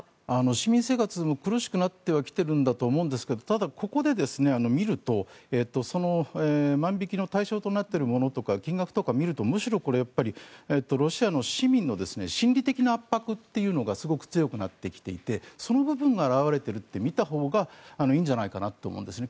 市民生活も苦しくなってきているんだと思うんですがただ、ここで見ると万引きの対象となっているものとか金額を見るとむしろこれ、ロシアの市民の心理的な圧迫というのがすごく強くなってきていてその部分が表れてると見たほうがいいんじゃないかなと思うんですね。